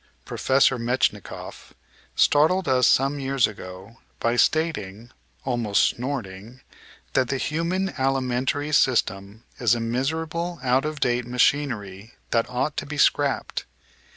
Professor Metchnikoff , startled us some years ago by stating — almost snorting — that the human alimentary system is a miserable out of date machinery that ought to be scrapped.